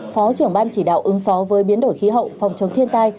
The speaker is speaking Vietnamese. phó trưởng ban chỉ đạo ứng phó với biến đổi khí hậu phòng chống thiên tai